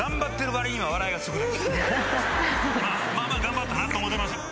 まぁまぁまぁ頑張ったなと思うてますよ。